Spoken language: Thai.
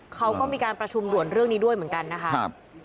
เขาก็มีการประชุมด่วนเรื่องนี้ด้วยเหมือนกันนะครับ